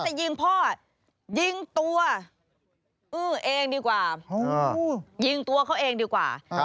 จะยิงพ่อยิงตัวอื้อเองดีกว่ายิงตัวเขาเองดีกว่า